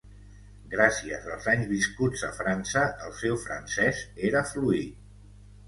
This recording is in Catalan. Gràcies als anys viscuts a França, el seu francès era fluid.